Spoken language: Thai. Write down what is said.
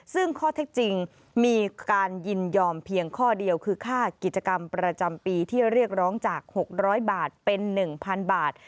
ซึ่งข้อเท็จจริงมีการยินยอมเพียงข้อเดียวคือค่ากิจกรรมประจำปีที่เรียกร้องจาก๖๐๐บาทเป็น๑๐๐๐บาท